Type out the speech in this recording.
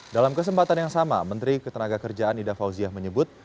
dalam kesempatan yang sama menteri ketenaga kerjaan ida fauziah menyebut